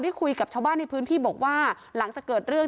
คุยกับชาวบ้านในพื้นที่บอกว่าหลังจากเกิดเรื่อง